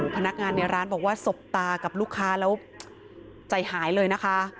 พนักงานในร้านบอกว่าสบตากับลูกค้าแล้วใจหายเลยนะคะ